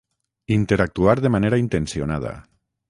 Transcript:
interactuar de manera intencionada